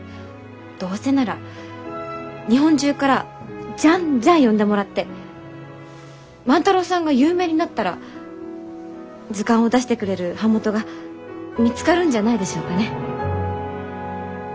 どうせなら日本中からジャンジャン呼んでもらって万太郎さんが有名になったら図鑑を出してくれる版元が見つかるんじゃないでしょうかね？